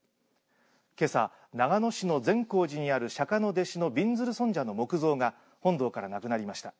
けさ長野市の善光寺にある釈迦の弟子のびんずる尊者の木像が本堂からなくなりました。